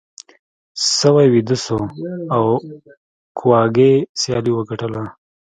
سوی ویده شو او کواګې سیالي وګټله.